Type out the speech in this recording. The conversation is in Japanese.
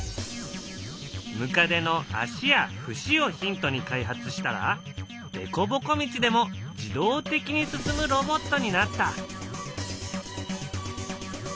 ムカデの足や節をヒントに開発したらでこぼこ道でも自動的に進むロボットになった。